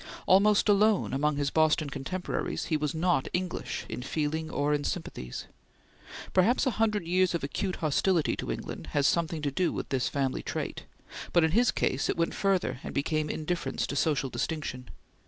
Almost alone among his Boston contemporaries, he was not English in feeling or in sympathies. Perhaps a hundred years of acute hostility to England had something to do with this family trait; but in his case it went further and became indifference to social distinction.